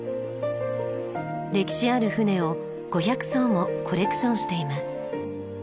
歴史ある船を５００艘もコレクションしています。